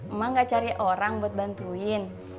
emak gak cari orang buat bantuin